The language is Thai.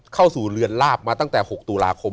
เข้าสู่เรือนลาบมาตั้งแต่๖ตุลาคม